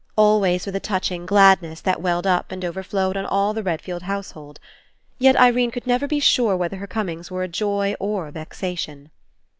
Always with a touching gladness that welled up and overflowed on all the Redfield house hold. Yet Irene could never be sure whether her comings were a joy or a vexation.